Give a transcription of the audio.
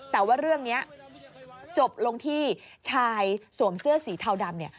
แต่ว่าเรื่องนี้จบลงที่ชายสวมเสื้อสีเทาดำเนี่ย